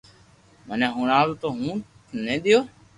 مني ھڻاو تو ھون ٽني ديو